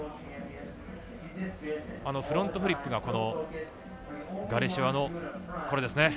フロントフリップがガリシェワの。